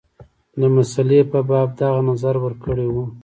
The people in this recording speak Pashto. د مسلې په باب دغه نظر ورکړی وو.